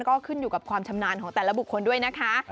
ก็ขึ้นอยู่กับความชำนาญของแต่ละบุคคลด้วยนะคะ